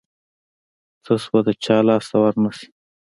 څه شوه د چا لاس ته ورنشي.